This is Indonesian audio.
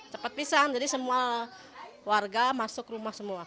cepat pisang jadi semua warga masuk rumah semua